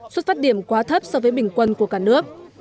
xuất phát điểm quá thấp so với bình quân của cả nước